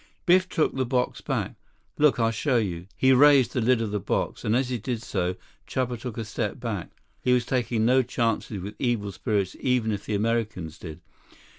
Biff took the box back. "Look. I'll show you." He raised the lid of the box, and as he did so, Chuba took a step back. He was taking no chances with evil spirits even if the Americans did.